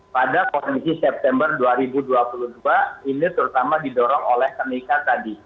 pada kondisi september dua ribu dua puluh dua ini terutama didorong oleh kenaikan tadi